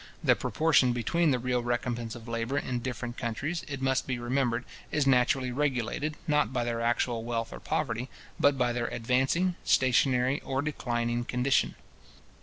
The proportion between the real recompence of labour in different countries, it must be remembered, is naturally regulated, not by their actual wealth or poverty, but by their advancing, stationary, or declining condition.